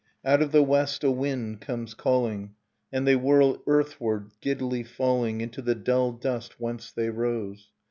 Out of the west a wind comes calling, And they whirl earthward, giddily falling Into the dull dust whence they rose.